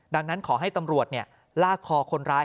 ดังนั้นขอให้ตำรวจลากคอคนร้าย